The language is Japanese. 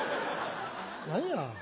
何や。